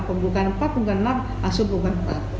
pembukaan empat pembukaan enam masuk bukan empat